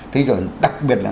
thế rồi đặc biệt là